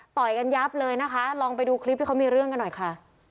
ต่อยกันยับเลยนะคะลองไปดูคลิปที่เขามีเรื่องกันหน่อยค่ะ